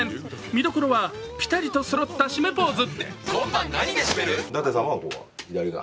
見どころはピタリとそろった締めポーズ。